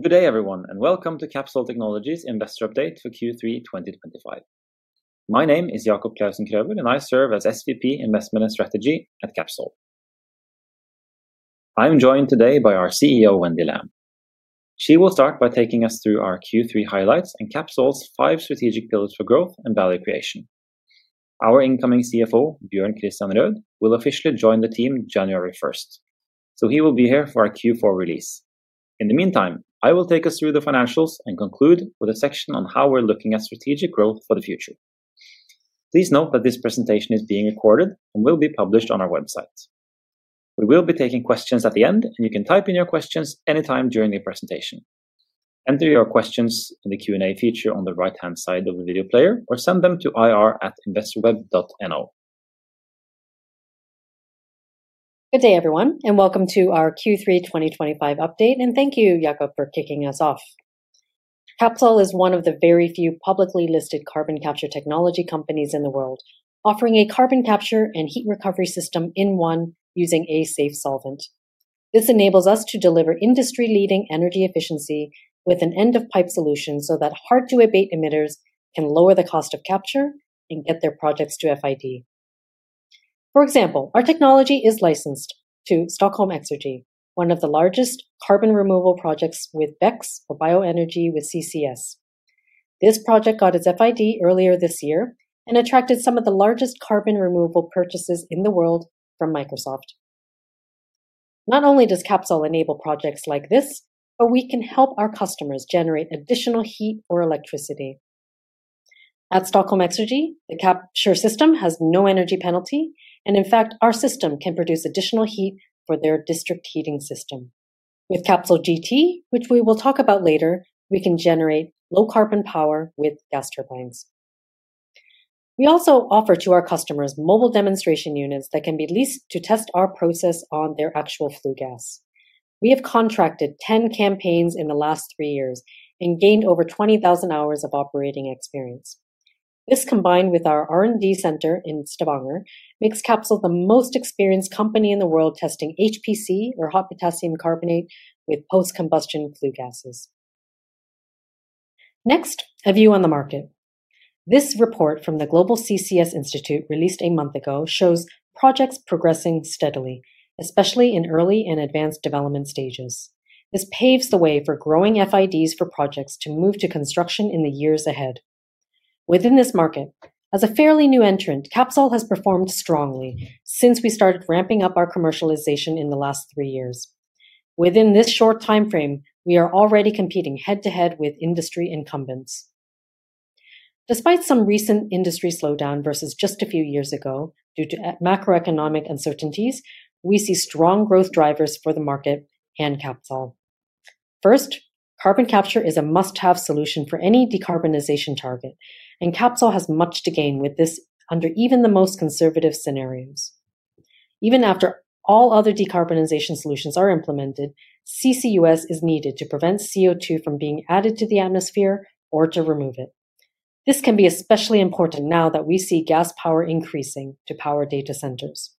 Good day, everyone, and welcome to Capsol Technologies' investor update for Q3 2025. My name is Jacob Clausen Krøvel, and I serve as SVP, Investment and Strategy at Capsol. I'm joined today by our CEO, Wendy Lam. She will start by taking us through our Q3 highlights and Capsol's five strategic pillars for growth and value creation. Our incoming CFO, Bjørn Kristian Røed, will officially join the team January 1st, so he will be here for our Q4 release. In the meantime, I will take us through the financials and conclude with a section on how we're looking at strategic growth for the future. Please note that this presentation is being recorded and will be published on our website. We will be taking questions at the end, and you can type in your questions anytime during the presentation. Enter your questions in the Q&A feature on the right-hand side of the video player or send them to ir@investorweb.no. Good day, everyone, and welcome to our Q3 2025 update. Thank you, Jacob, for kicking us off. Capsol is one of the very few publicly listed carbon capture technology companies in the world, offering a carbon capture and heat recovery system in one using a safe solvent. This enables us to deliver industry-leading energy efficiency with an end-of-pipe solution so that hard-to-abate emitters can lower the cost of capture and get their projects to FID. For example, our technology is licensed to Stockholm Exergi, one of the largest carbon removal projects with BECCS for bioenergy with CCS. This project got its FID earlier this year and attracted some of the largest carbon removal purchases in the world from Microsoft. Not only does Capsol enable projects like this, but we can help our customers generate additional heat or electricity. At Stockholm Exergi, the capture system has no energy penalty, and in fact, our system can produce additional heat for their district heating system. With CapsolGT, which we will talk about later, we can generate low-carbon power with gas turbines. We also offer to our customers mobile demonstration units that can be leased to test our process on their actual flue gas. We have contracted 10 campaigns in the last three years and gained over 20,000 hours of operating experience. This, combined with our R&D center in Stavanger, makes Capsol the most experienced company in the world testing HPC, or hot potassium carbonate, with post-combustion flue gases. Next, a view on the market. This report from the Global CCS Institute, released a month ago, shows projects progressing steadily, especially in early and advanced development stages. This paves the way for growing FIDs for projects to move to construction in the years ahead. Within this market, as a fairly new entrant, Capsol has performed strongly since we started ramping up our commercialization in the last three years. Within this short time frame, we are already competing head-to-head with industry incumbents. Despite some recent industry slowdown versus just a few years ago due to macroeconomic uncertainties, we see strong growth drivers for the market and Capsol. First, carbon capture is a must-have solution for any decarbonization target, and Capsol has much to gain with this under even the most conservative scenarios. Even after all other decarbonization solutions are implemented, CCUS is needed to prevent CO2 from being added to the atmosphere or to remove it. This can be especially important now that we see gas power increasing to power data centers.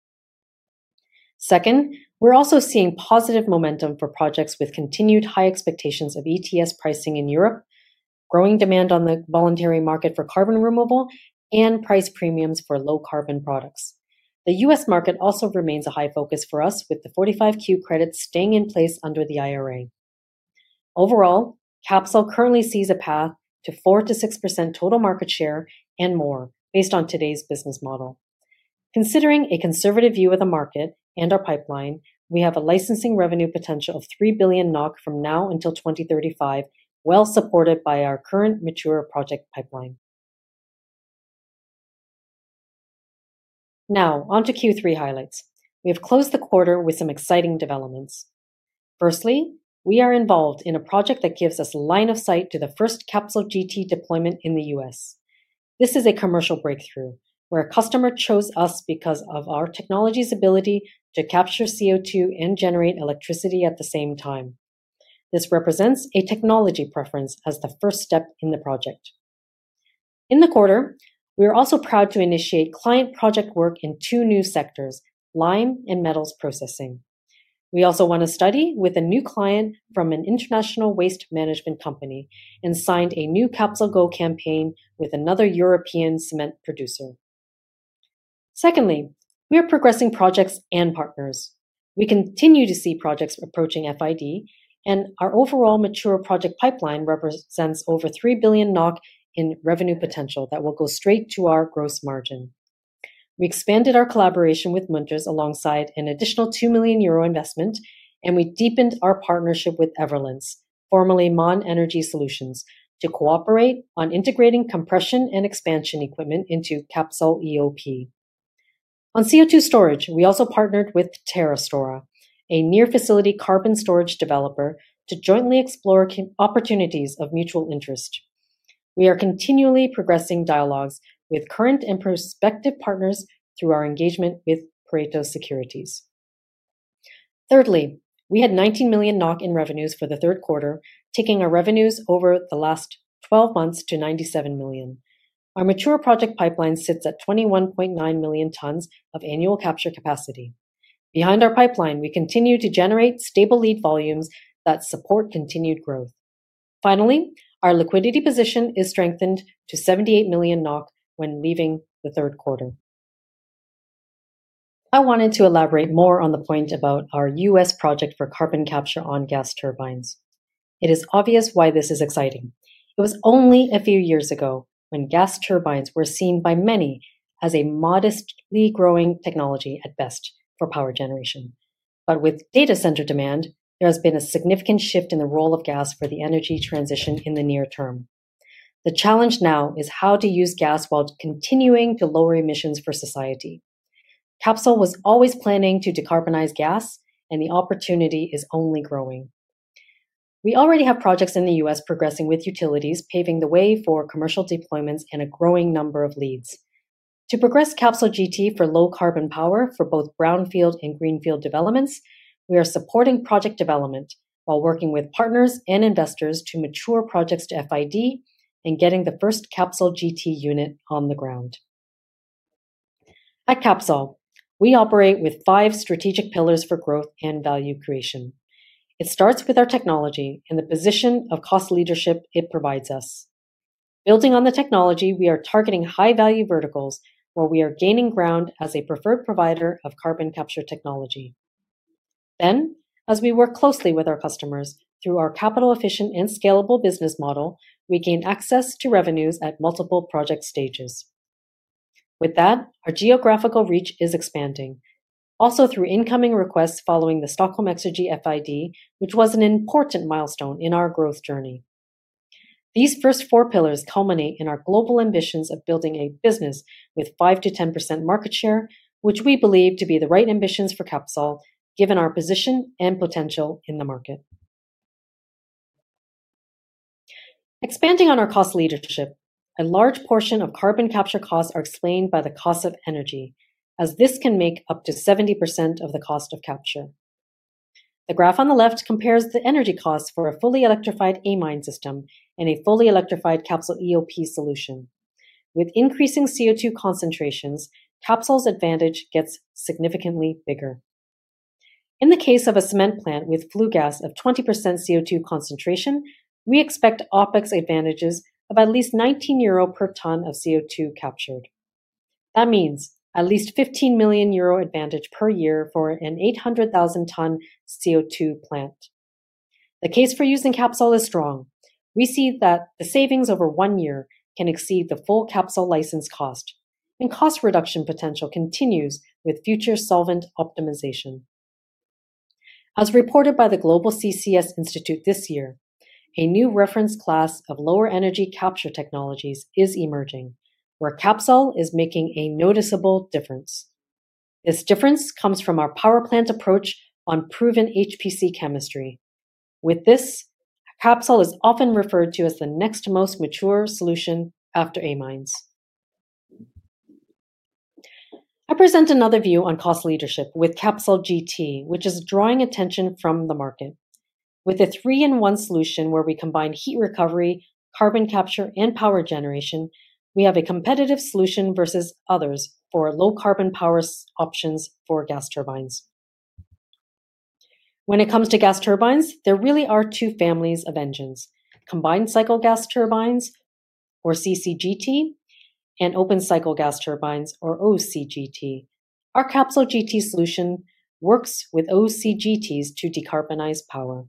Second, we're also seeing positive momentum for projects with continued high expectations of ETS pricing in Europe, growing demand on the voluntary market for carbon removal, and price premiums for low-carbon products. The U.S. market also remains a high focus for us, with the 45Q credits staying in place under the IRA. Overall, Capsol currently sees a path to 4%-6% total market share and more based on today's business model. Considering a conservative view of the market and our pipeline, we have a licensing revenue potential of 3 billion NOK from now until 2035, well supported by our current mature project pipeline. Now, on to Q3 highlights. We have closed the quarter with some exciting developments. Firstly, we are involved in a project that gives us a line of sight to the first CapsolGT deployment in the U.S. This is a commercial breakthrough where a customer chose us because of our technology's ability to capture CO2 and generate electricity at the same time. This represents a technology preference as the first step in the project. In the quarter, we are also proud to initiate client project work in two new sectors: lime and metals processing. We also won a study with a new client from an international waste management company and signed a new CapsolGo campaign with another European cement producer. Secondly, we are progressing projects and partners. We continue to see projects approaching FID, and our overall mature project pipeline represents over 3 billion NOK in revenue potential that will go straight to our gross margin. We expanded our collaboration with Munters alongside an additional 2 million euro investment, and we deepened our partnership with Everllence, formerly MAN Energy Solutions, to cooperate on integrating compression and expansion equipment into CapsolEoP. On CO2 storage, we also partnered with TerraStora, a near-facility carbon storage developer, to jointly explore opportunities of mutual interest. We are continually progressing dialogues with current and prospective partners through our engagement with Pareto Securities. Thirdly, we had 19 million NOK in revenues for the third quarter, taking our revenues over the last 12 months to 97 million. Our mature project pipeline sits at 21.9 million tons of annual capture capacity. Behind our pipeline, we continue to generate stable lead volumes that support continued growth. Finally, our liquidity position is strengthened to 78 million NOK when leaving the third quarter. I wanted to elaborate more on the point about our U.S. project for carbon capture on gas turbines. It is obvious why this is exciting. It was only a few years ago when gas turbines were seen by many as a modestly growing technology at best for power generation. With data center demand, there has been a significant shift in the role of gas for the energy transition in the near term. The challenge now is how to use gas while continuing to lower emissions for society. Capsol was always planning to decarbonize gas, and the opportunity is only growing. We already have projects in the U.S. progressing with utilities, paving the way for commercial deployments and a growing number of leads. To progress CapsolGT for low carbon power for both brownfield and greenfield developments, we are supporting project development while working with partners and investors to mature projects to FID and getting the first CapsolGT unit on the ground. At Capsol, we operate with five strategic pillars for growth and value creation. It starts with our technology and the position of cost leadership it provides us. Building on the technology, we are targeting high-value verticals where we are gaining ground as a preferred provider of carbon capture technology. Then, as we work closely with our customers through our capital-efficient and scalable business model, we gain access to revenues at multiple project stages. With that, our geographical reach is expanding, also through incoming requests following the Stockholm Exergi FID, which was an important milestone in our growth journey. These first four pillars culminate in our global ambitions of building a business with 5%-10% market share, which we believe to be the right ambitions for Capsol, given our position and potential in the market. Expanding on our cost leadership, a large portion of carbon capture costs are explained by the cost of energy, as this can make up to 70% of the cost of capture. The graph on the left compares the energy costs for a fully electrified amine system and a fully electrified CapsolEoP solution. With increasing CO2 concentrations, Capsol's advantage gets significantly bigger. In the case of a cement plant with flue gas of 20% CO2 concentration, we expect OpEx advantages of at least 19 euro per ton of CO2 captured. That means at least 15 million euro advantage per year for an 800,000-ton CO2 plant. The case for using Capsol is strong. We see that the savings over one year can exceed the full Capsol license cost, and cost reduction potential continues with future solvent optimization. As reported by the Global CCS Institute this year, a new reference class of lower energy capture technologies is emerging, where Capsol is making a noticeable difference. This difference comes from our power plant approach on proven HPC chemistry. With this, Capsol is often referred to as the next most mature solution after amines. I present another view on cost leadership with CapsolGT, which is drawing attention from the market. With a three-in-one solution where we combine heat recovery, carbon capture, and power generation, we have a competitive solution versus others for low-carbon power options for gas turbines. When it comes to gas turbines, there really are two families of engines: combined cycle gas turbines, or CCGT, and open cycle gas turbines, or OCGT. Our CapsolGT solution works with OCGTs to decarbonize power.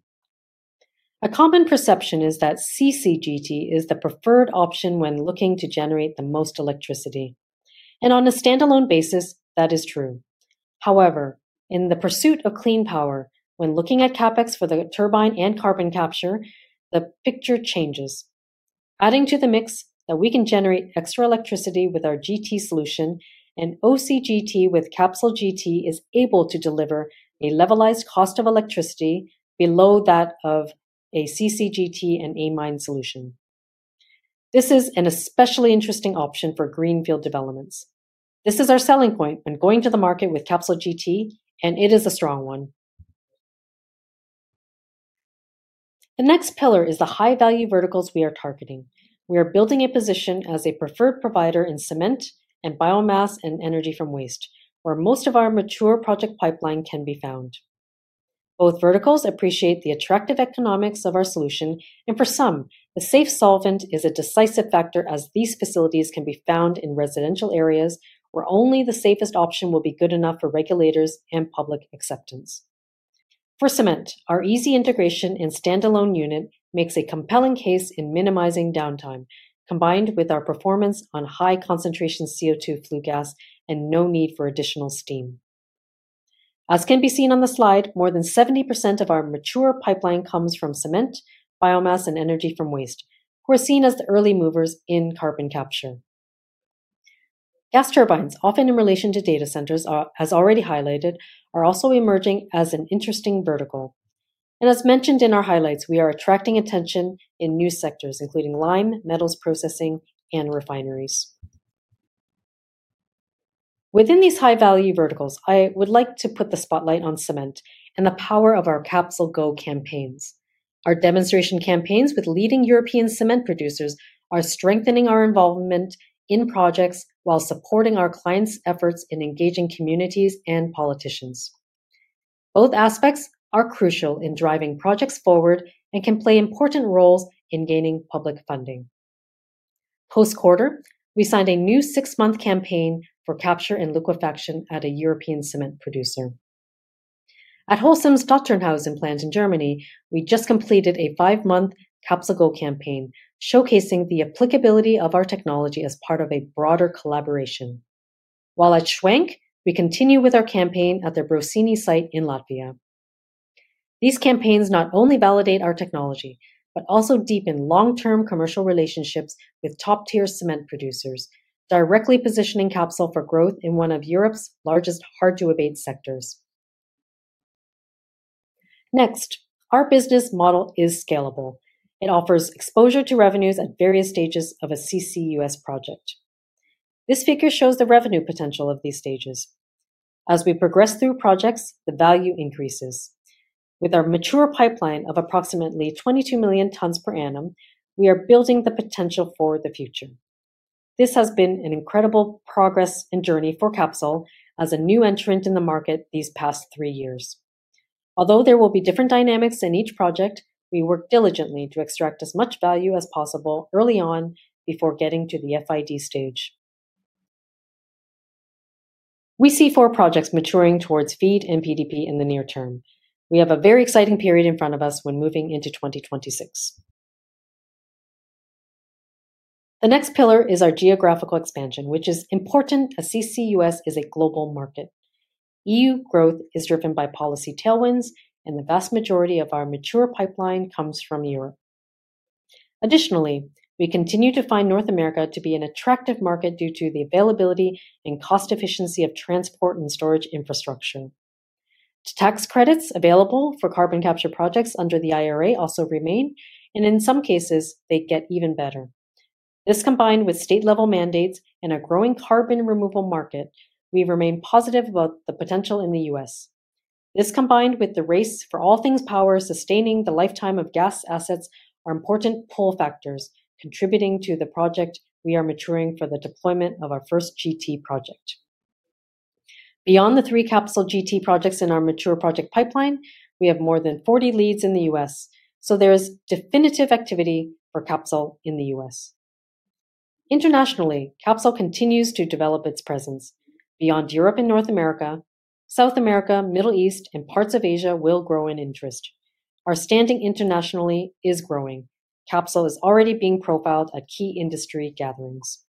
A common perception is that CCGT is the preferred option when looking to generate the most electricity. On a standalone basis, that is true. However, in the pursuit of clean power, when looking at CapEx for the turbine and carbon capture, the picture changes. Adding to the mix that we can generate extra electricity with our GT solution, an OCGT with CapsolGT is able to deliver a levelized cost of electricity below that of a CCGT and amine solution. This is an especially interesting option for greenfield developments. This is our selling point when going to the market with CapsolGT, and it is a strong one. The next pillar is the high-value verticals we are targeting. We are building a position as a preferred provider in cement and biomass and energy from waste, where most of our mature project pipeline can be found. Both verticals appreciate the attractive economics of our solution, and for some, the safe solvent is a decisive factor as these facilities can be found in residential areas where only the safest option will be good enough for regulators and public acceptance. For cement, our easy integration and standalone unit makes a compelling case in minimizing downtime, combined with our performance on high-concentration CO2 flue gas and no need for additional steam. As can be seen on the slide, more than 70% of our mature pipeline comes from cement, biomass, and energy from waste, who are seen as the early movers in carbon capture. Gas turbines, often in relation to data centers, as already highlighted, are also emerging as an interesting vertical. As mentioned in our highlights, we are attracting attention in new sectors, including lime, metals processing, and refineries. Within these high-value verticals, I would like to put the spotlight on cement and the power of our CapsolGo campaigns. Our demonstration campaigns with leading European cement producers are strengthening our involvement in projects while supporting our clients' efforts in engaging communities and politicians. Both aspects are crucial in driving projects forward and can play important roles in gaining public funding. Post-quarter, we signed a new six-month campaign for capture and liquefaction at a European cement producer. At Holcim's Dotternhausen plant in Germany, we just completed a five-month CapsolGo campaign showcasing the applicability of our technology as part of a broader collaboration. While at SCHWENK, we continue with our campaign at their Brocēni site in Latvia. These campaigns not only validate our technology, but also deepen long-term commercial relationships with top-tier cement producers, directly positioning Capsol for growth in one of Europe's largest hard-to-abate sectors. Next, our business model is scalable. It offers exposure to revenues at various stages of a CCUS project. This figure shows the revenue potential of these stages. As we progress through projects, the value increases. With our mature pipeline of approximately 22 million tons per annum, we are building the potential for the future. This has been an incredible progress and journey for Capsol as a new entrant in the market these past three years. Although there will be different dynamics in each project, we work diligently to extract as much value as possible early on before getting to the FID stage. We see four projects maturing towards FEED and PDP in the near term. We have a very exciting period in front of us when moving into 2026. The next pillar is our geographical expansion, which is important as CCUS is a global market. EU growth is driven by policy tailwinds, and the vast majority of our mature pipeline comes from Europe. Additionally, we continue to find North America to be an attractive market due to the availability and cost efficiency of transport and storage infrastructure. Tax credits available for carbon capture projects under the IRA also remain, and in some cases, they get even better. This combined with state-level mandates and a growing carbon removal market, we remain positive about the potential in the U.S. This combined with the race for all things power sustaining the lifetime of gas assets are important pull factors contributing to the project we are maturing for the deployment of our first GT project. Beyond the three CapsolGT projects in our mature project pipeline, we have more than 40 leads in the U.S., so there is definitive activity for Capsol in the US. Internationally, Capsol continues to develop its presence. Beyond Europe and North America, South America, Middle East, and parts of Asia will grow in interest. Our standing internationally is growing. Capsol is already being profiled at key industry gatherings.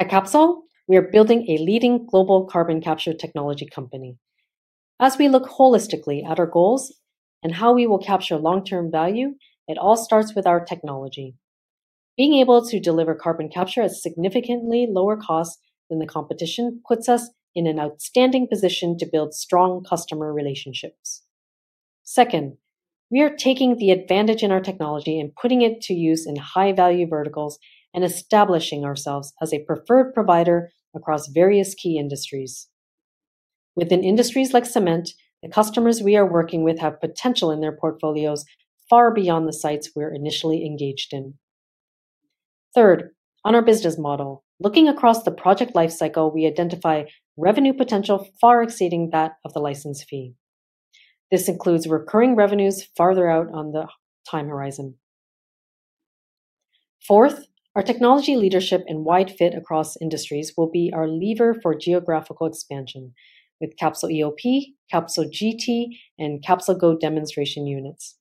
At Capsol, we are building a leading global carbon capture technology company. As we look holistically at our goals and how we will capture long-term value, it all starts with our technology. Being able to deliver carbon capture at significantly lower costs than the competition puts us in an outstanding position to build strong customer relationships. Second, we are taking the advantage in our technology and putting it to use in high-value verticals and establishing ourselves as a preferred provider across various key industries. Within industries like cement, the customers we are working with have potential in their portfolios far beyond the sites we're initially engaged in. Third, on our business model, looking across the project lifecycle, we identify revenue potential far exceeding that of the license fee. This includes recurring revenues farther out on the time horizon. Fourth, our technology leadership and wide fit across industries will be our lever for geographical expansion with CapsolEoP, CapsolGT, and CapsolGo demonstration units.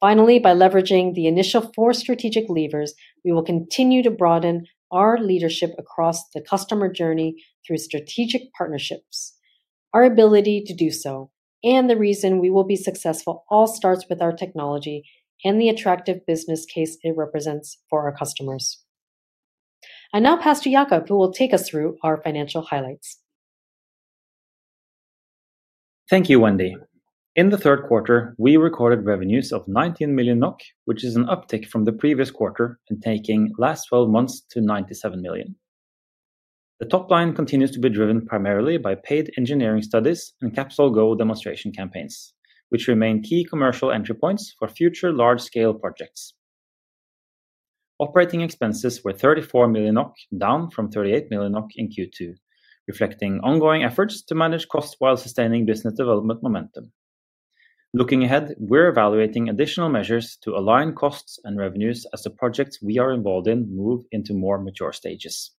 Finally, by leveraging the initial four strategic levers, we will continue to broaden our leadership across the customer journey through strategic partnerships. Our ability to do so and the reason we will be successful all starts with our technology and the attractive business case it represents for our customers. I now pass to Jacob, who will take us through our financial highlights. Thank you, Wendy. In the third quarter, we recorded revenues of 19 million NOK, which is an uptick from the previous quarter and taking last 12 months to 97 million. The top line continues to be driven primarily by paid engineering studies and CapsolGo demonstration campaigns, which remain key commercial entry points for future large-scale projects. Operating expenses were 34 million NOK, down from 38 million NOK in Q2, reflecting ongoing efforts to manage costs while sustaining business development momentum. Looking ahead, we're evaluating additional measures to align costs and revenues as the projects we are involved in move into more mature stages.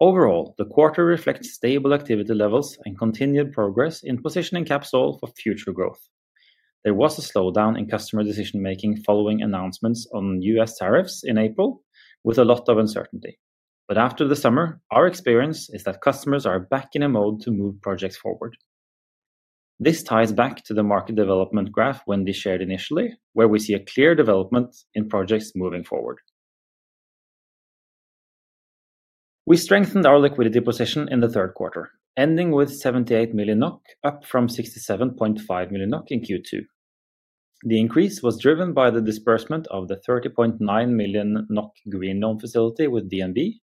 Overall, the quarter reflects stable activity levels and continued progress in positioning Capsol for future growth. There was a slowdown in customer decision-making following announcements on U.S. tariffs in April, with a lot of uncertainty. After the summer, our experience is that customers are back in a mode to move projects forward. This ties back to the market development graph Wendy shared initially, where we see a clear development in projects moving forward. We strengthened our liquidity position in the third quarter, ending with 78 million NOK, up from 67.5 million NOK in Q2. The increase was driven by the disbursement of the 30.9 million NOK green loan facility with DNB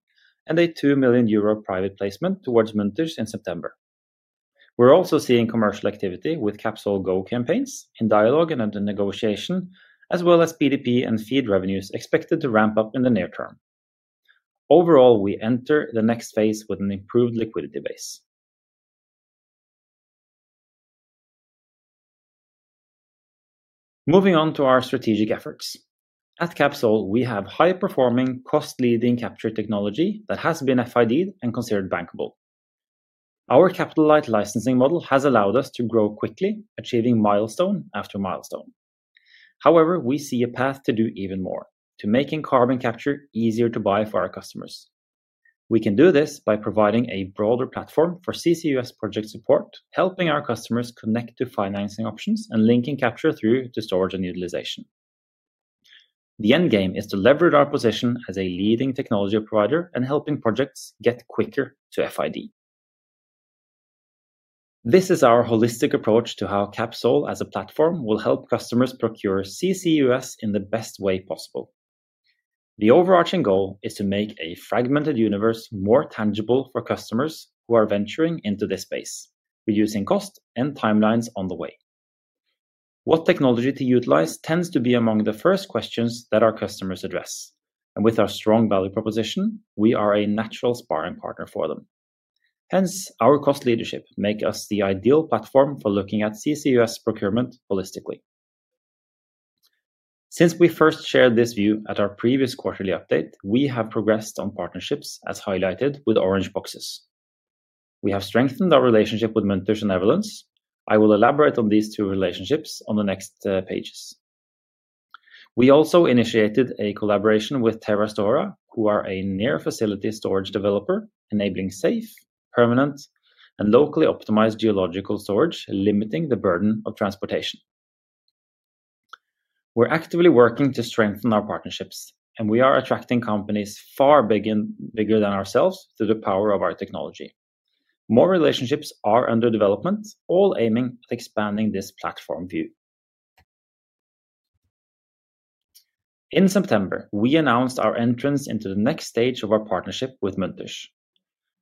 and a 2 million euro private placement towards Munters in September. We're also seeing commercial activity with CapsolGo campaigns in dialogue and under negotiation, as well as PDP and FEED revenues expected to ramp up in the near term. Overall, we enter the next phase with an improved liquidity base. Moving on to our strategic efforts. At Capsol, we have high-performing, cost-leading capture technology that has been FIDed and considered bankable. Our capital-light licensing model has allowed us to grow quickly, achieving milestone after milestone. However, we see a path to do even more, to making carbon capture easier to buy for our customers. We can do this by providing a broader platform for CCUS project support, helping our customers connect to financing options and linking capture through to storage and utilization. The end game is to leverage our position as a leading technology provider and helping projects get quicker to FID. This is our holistic approach to how Capsol as a platform will help customers procure CCUS in the best way possible. The overarching goal is to make a fragmented universe more tangible for customers who are venturing into this space, reducing cost and timelines on the way. What technology to utilize tends to be among the first questions that our customers address. With our strong value proposition, we are a natural sparring partner for them. Hence, our cost leadership makes us the ideal platform for looking at CCUS procurement holistically. Since we first shared this view at our previous quarterly update, we have progressed on partnerships, as highlighted with orange boxes. We have strengthened our relationship with Munters and Everllence. I will elaborate on these two relationships on the next pages. We also initiated a collaboration with TerraStora, who are a near-facility storage developer, enabling safe, permanent, and locally optimized geological storage, limiting the burden of transportation. We are actively working to strengthen our partnerships, and we are attracting companies far bigger than ourselves through the power of our technology. More relationships are under development, all aiming at expanding this platform view. In September, we announced our entrance into the next stage of our partnership with Munters.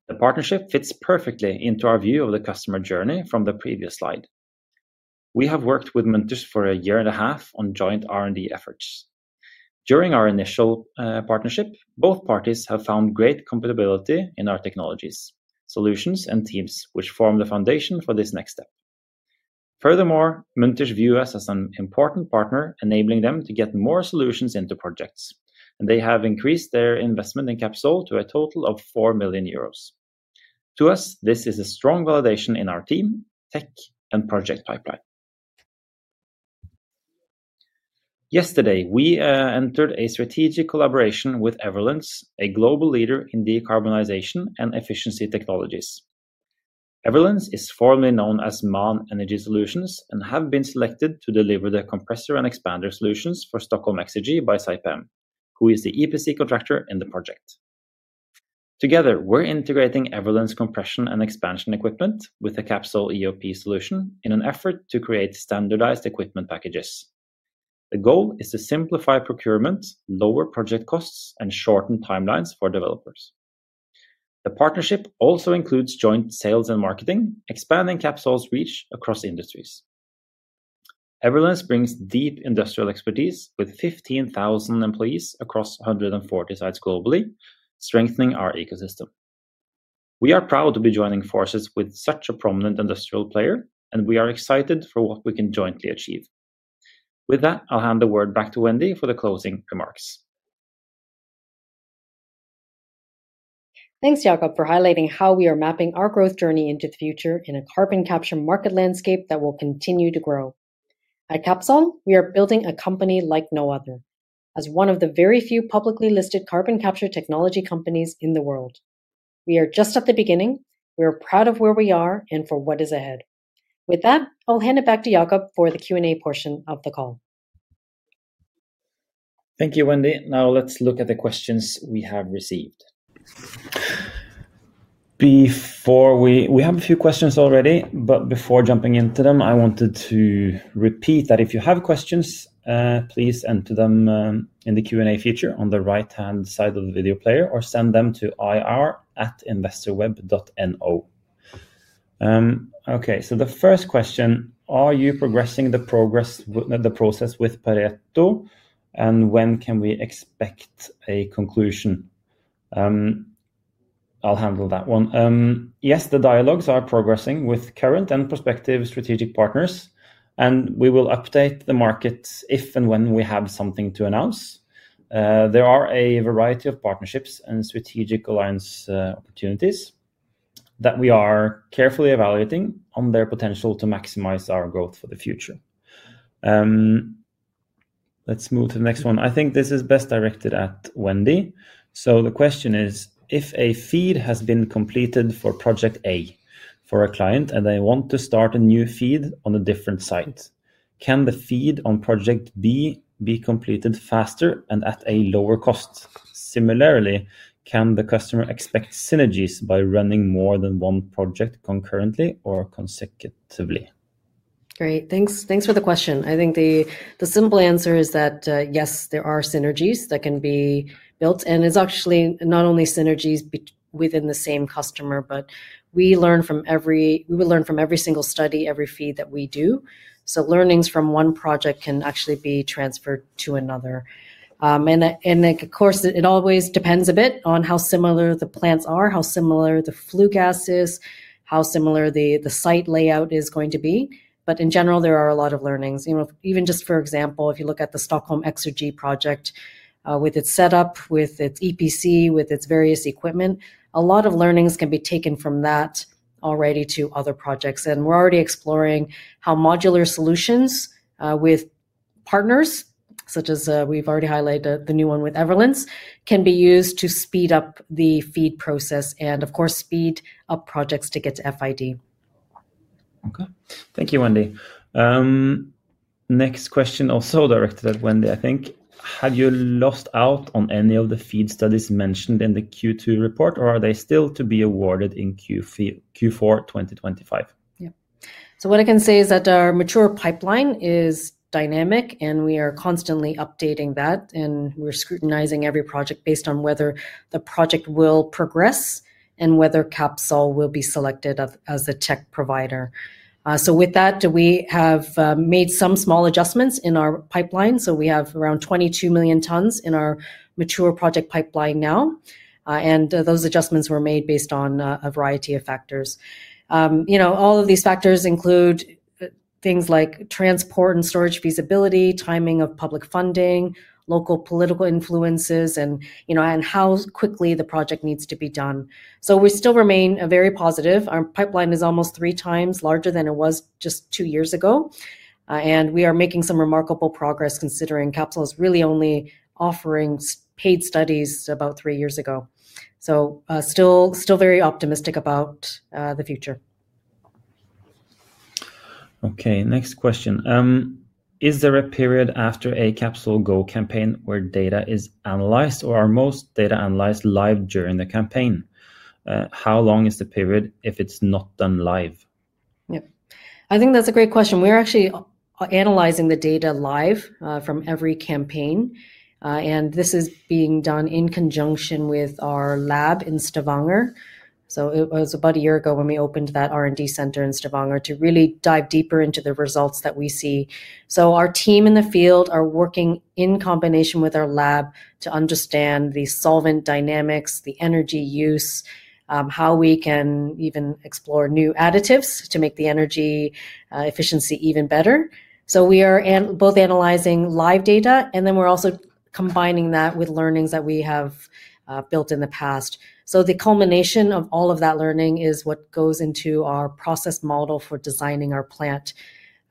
The partnership fits perfectly into our view of the customer journey from the previous slide. We have worked with Munters for a year and a half on joint R&D efforts. During our initial partnership, both parties have found great compatibility in our technologies, solutions, and teams, which form the foundation for this next step. Furthermore, Munters views us as an important partner, enabling them to get more solutions into projects, and they have increased their investment in Capsol to a total of 4 million euros. To us, this is a strong validation in our team, tech, and project pipeline. Yesterday, we entered a strategic collaboration with Everllence, a global leader in decarbonization and efficiency technologies. Everllence is formerly known as MAN Energy Solutions and has been selected to deliver the compressor and expander solutions for Stockholm Exergi by Saipem, who is the EPC contractor in the project. Together, we're integrating Everllence' compression and expansion equipment with the CapsolEoP solution in an effort to create standardized equipment packages. The goal is to simplify procurement, lower project costs, and shorten timelines for developers. The partnership also includes joint sales and marketing, expanding Capsol's reach across industries. Everllence brings deep industrial expertise with 15,000 employees across 140 sites globally, strengthening our ecosystem. We are proud to be joining forces with such a prominent industrial player, and we are excited for what we can jointly achieve. With that, I'll hand the word back to Wendy for the closing remarks. Thanks, Jacob, for highlighting how we are mapping our growth journey into the future in a carbon capture market landscape that will continue to grow. At Capsol, we are building a company like no other, as one of the very few publicly listed carbon capture technology companies in the world. We are just at the beginning. We are proud of where we are and for what is ahead. With that, I'll hand it back to Jacob for the Q&A portion of the call. Thank you, Wendy. Now, let's look at the questions we have received. Before we—we have a few questions already, but before jumping into them, I wanted to repeat that if you have questions, please enter them in the Q&A feature on the right-hand side of the video player or send them to ir@investorweb.no. Okay, so the first question: Are you progressing the process with Pareto, and when can we expect a conclusion? I'll handle that one. Yes, the dialogues are progressing with current and prospective strategic partners, and we will update the market if and when we have something to announce. There are a variety of partnerships and strategic alliance opportunities that we are carefully evaluating on their potential to maximize our growth for the future. Let's move to the next one. I think this is best directed at Wendy. The question is: If a FEED has been completed for project A for a client and they want to start a new FEED on a different site, can the FEED on project B be completed faster and at a lower cost? Similarly, can the customer expect synergies by running more than one project concurrently or consecutively? Great. Thanks for the question. I think the simple answer is that yes, there are synergies that can be built. It is actually not only synergies within the same customer, but we learn from every—we will learn from every single study, every FEED that we do. Learnings from one project can actually be transferred to another. Of course, it always depends a bit on how similar the plants are, how similar the flue gas is, how similar the site layout is going to be. In general, there are a lot of learnings. Even just, for example, if you look at the Stockholm Exergi project with its setup, with its EPC, with its various equipment, a lot of learnings can be taken from that already to other projects. We are already exploring how modular solutions with partners, such as we have already highlighted the new one with Everllence, can be used to speed up the FEED process and, of course, speed up projects to get to FID. Okay. Thank you, Wendy. Next question also directed at Wendy, I think. Have you lost out on any of the FEED studies mentioned in the Q2 report, or are they still to be awarded in Q4 2025? Yeah. What I can say is that our mature pipeline is dynamic, and we are constantly updating that, and we're scrutinizing every project based on whether the project will progress and whether Capsol will be selected as the tech provider. With that, we have made some small adjustments in our pipeline. We have around 22 million tons in our mature project pipeline now. Those adjustments were made based on a variety of factors. All of these factors include things like transport and storage feasibility, timing of public funding, local political influences, and how quickly the project needs to be done. We still remain very positive. Our pipeline is almost three times larger than it was just two years ago. We are making some remarkable progress considering Capsol is really only offering paid studies about three years ago. Still very optimistic about the future. Okay, next question. Is there a period after a CapsolGo campaign where data is analyzed, or are most data analyzed live during the campaign? How long is the period if it's not done live? Yeah, I think that's a great question. We're actually analyzing the data live from every campaign. This is being done in conjunction with our lab in Stavanger. It was about a year ago when we opened that R&D center in Stavanger to really dive deeper into the results that we see. Our team in the field are working in combination with our lab to understand the solvent dynamics, the energy use, how we can even explore new additives to make the energy efficiency even better. We are both analyzing live data. We're also combining that with learnings that we have built in the past. The culmination of all of that learning is what goes into our process model for designing our plant.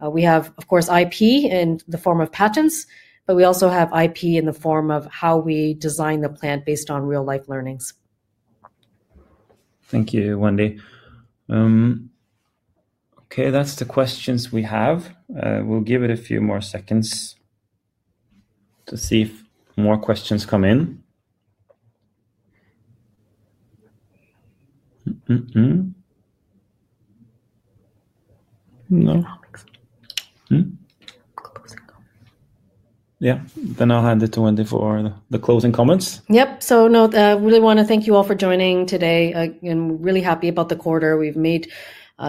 We have, of course, IP in the form of patents, but we also have IP in the form of how we design the plant based on real-life learnings. Thank you, Wendy. Okay, that's the questions we have. We'll give it a few more seconds to see if more questions come in. No. Yeah, then I'll hand it to Wendy for the closing comments. Yep. No, I really want to thank you all for joining today. I'm really happy about the quarter. We've made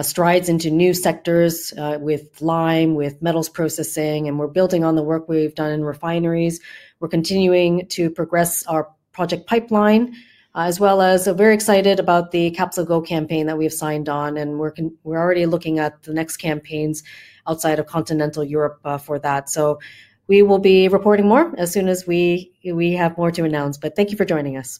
strides into new sectors with lime, with metals processing, and we're building on the work we've done in refineries. We're continuing to progress our project pipeline, as well as very excited about the CapsolGo campaign that we've signed on. We are already looking at the next campaigns outside of continental Europe for that. We will be reporting more as soon as we have more to announce. Thank you for joining us.